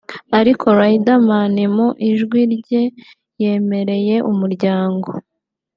ariko Riderman mu ijwi rye yemereye Umuryango